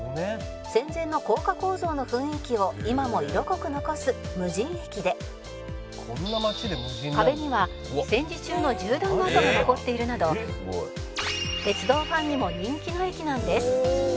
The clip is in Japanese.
「戦前の高架構造の雰囲気を今も色濃く残す無人駅で壁には戦時中の銃弾の跡が残っているなど鉄道ファンにも人気の駅なんです」